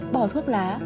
bỏ thuốc lá